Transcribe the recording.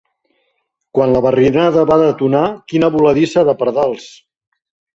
Quan la barrinada va detonar, quina voladissa de pardals!